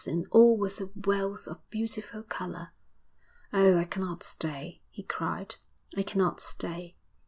And all was a wealth of beautiful colour. 'Oh, I cannot stay!' he cried; 'I cannot stay!'